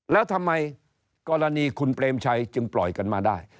แล้วทำไมกรณีคุณเปรมชัยจึงปล่อยกันมาได้